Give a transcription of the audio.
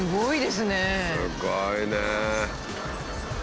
すごいね。